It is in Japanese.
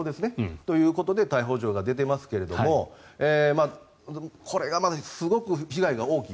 そういうことで逮捕状が出ていますがこれがすごく被害が大きい。